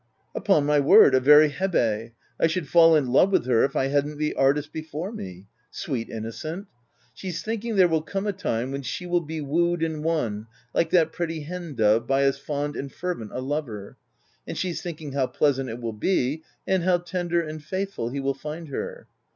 " Upon my word — a very Hebe ! I should fall in love with her, if I hadn't the artist before me. Sweet innocent! she*s thinking there will come a time when she will be wooed and won like that pretty hen dove, by as fond and fervent a lover ; and she's thinking how pleas ant it will be, and how tender and faithful he will find her."